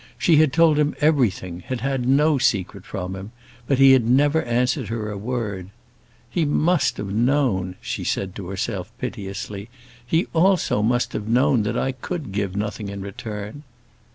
She had told him everything, had had no secret from him; but he had never answered her a word. "He also must have known," she said to herself, piteously, "he also must have known that I could give nothing in return."